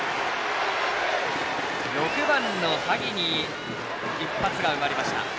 ６番の萩に一発が生まれました。